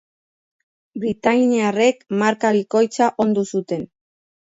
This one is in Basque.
Britainiarrek marka bikoitza ondu zuten.